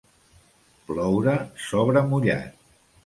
Ploure sobre mullat.